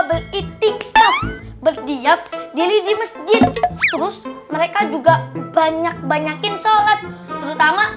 beli tik tok berdiam diri di masjid terus mereka juga banyak banyakin sholat terutama